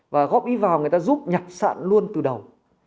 và góp ý vào người ta giúp nhặt sạn luôn từ đầu